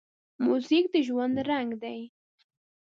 موزیک د ژوند رنګ دی.